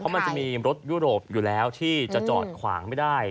มันจะมีรถยุโรปอยู่แล้วที่จะจอดขวางไม่ได้